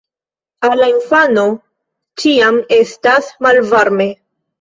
Al la infano ĉiam estas malvarme.